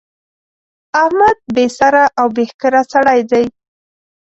احمد بې سره او بې ښکره سړی دی.